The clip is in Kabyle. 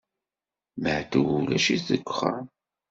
Maɛṭub ulac-it deg uxxam?